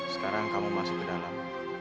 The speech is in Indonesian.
sekarang kamu masuk ke dalam